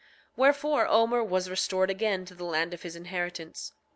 9:13 Wherefore, Omer was restored again to the land of his inheritance.